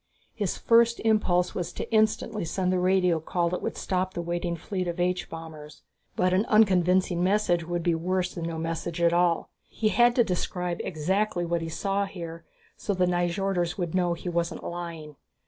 His first impulse was to instantly send the radio call that would stop the waiting fleet of H bombers. But an unconvincing message would be worse than no message at all. He had to describe exactly what he saw here so the Nyjorders would know he wasn't lying.